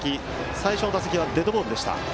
最初の打席はデッドボールでした。